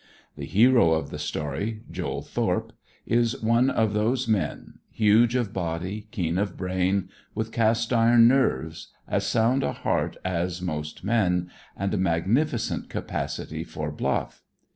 The hero of the story, "Joel Thorpe," is one of those men, huge of body, keen of brain, with cast iron nerves, as sound a heart as most men, and a magnificent capacity for bluff.